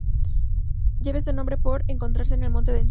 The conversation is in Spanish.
Lleve este nombre por encontrarse en un monte de encinas.